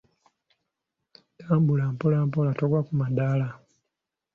Tambula mpola mpola togwa ku madaala.